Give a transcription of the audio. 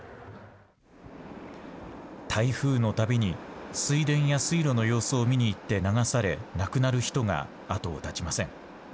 台風のたびに水田や水路の様子を見に行って流され亡くなる人が後を絶ちません。